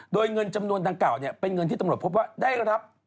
โดยเงินจำนวนดังกล่าวเป็นเงินที่ตำรวจพบว่าได้รับ